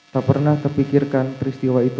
tak pernah terpikirkan peristiwa itu